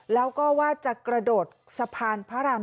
แล้วก็ว่าจะกระโดดสะพานพระราม